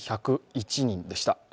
６１０１人でした。